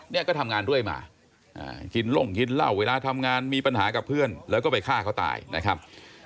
เนี่ยก็ทำงานเรื่อยมากินล่งกินเหล้าเวลาทำงานมีปัญหากับเพื่อนแล้วก็ไปฆ่าเขาตายนะครับ